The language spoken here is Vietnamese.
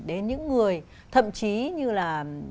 đến những người thậm chí như là